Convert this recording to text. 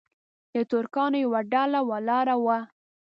د ترکانو یوه ډله ولاړه وه.